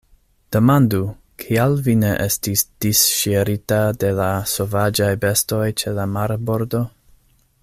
Demandu, kial vi ne estis disŝirita de la sovaĝaj bestoj ĉe la marbordo.